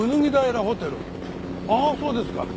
ああそうですか。